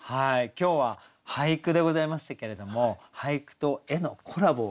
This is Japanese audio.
今日は俳句でございましたけれども俳句と絵のコラボをして頂きました。